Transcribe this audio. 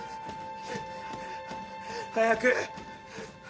早く！